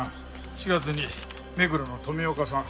４月に目黒の富岡さん。